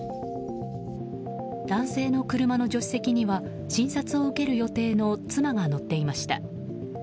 男性の車の助手席には診察を受ける予定の妻が乗っていました。